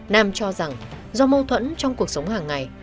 nam cho rằng do mâu thuẫn trong cuộc sống hàng ngày